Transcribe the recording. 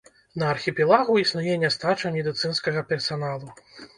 На архіпелагу існуе нястача медыцынскага персаналу.